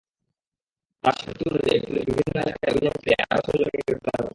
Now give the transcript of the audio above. তাঁর স্বীকারোক্তি অনুযায়ী পুলিশ বিভিন্ন এলাকায় অভিযান চালিয়ে আরও ছয়জনকে গ্রেপ্তার করে।